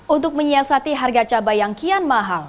untuk menyiasati harga cabai yang kian mahal